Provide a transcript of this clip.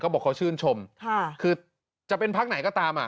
บอกเขาชื่นชมคือจะเป็นพักไหนก็ตาม